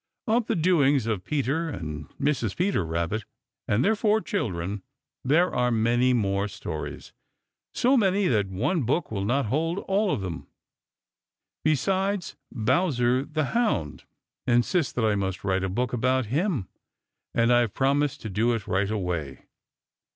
Of the doings of Peter and Mrs. Peter Rabbit and their four children there are many more stories, so many that one book will not hold all of them. Besides, Bowser the Hound insists that I must write a book about him, and I have promised to do it right away.